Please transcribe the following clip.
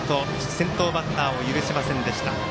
先頭バッターを許しませんでした。